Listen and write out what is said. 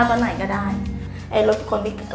สบายข้าวตอนไหนก็ได้